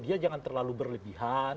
dia jangan terlalu berlebihan